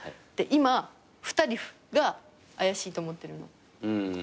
で今２人が怪しいと思ってる。